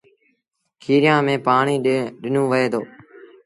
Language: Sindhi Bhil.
کيريآݩ ميݩ پآڻي ڏنو وهي دو